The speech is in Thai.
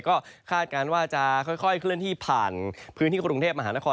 ก็คาดการณ์ว่าจะค่อยเคลื่อนที่ผ่านพื้นที่กรุงเทพมหานคร